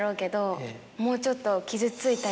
「もうちょっと」。